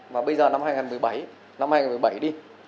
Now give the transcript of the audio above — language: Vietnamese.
và bây giờ năm hai nghìn một mươi bảy đi